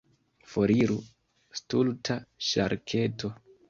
Foriru, stulta ŝarketo!